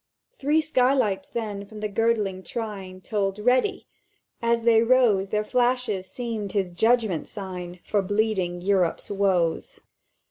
"Three sky lights then from the girdling trine Told, 'Ready!' As they rose Their flashes seemed his Judgment Sign For bleeding Europe's woes.